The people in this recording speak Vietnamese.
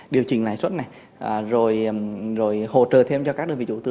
điều chỉnh lại suất này rồi hỗ trợ thêm cho các đơn vị chủ tư